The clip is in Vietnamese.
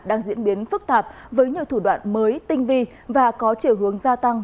đang diễn biến phức tạp với nhiều thủ đoạn mới tinh vi và có chiều hướng gia tăng